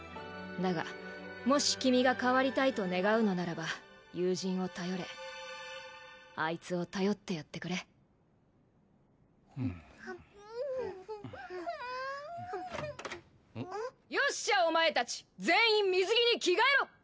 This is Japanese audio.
だがもし君が変わりたいと願うのならば友人を頼れあいつを頼ってやってくれよっしゃお前達全員水着に着替えろ！